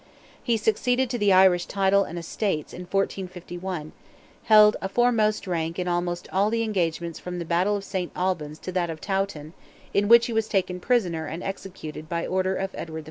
He succeeded to the Irish title and estates in 1451: held a foremost rank in almost all the engagements from the battle of Saint Albans to that of Towton, in which he was taken prisoner and executed by order of Edward IV.